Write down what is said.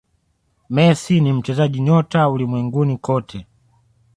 essi ni mchezaji nyota ulimwenguni kote